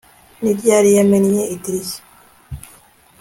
Ni ryari yamennye idirishya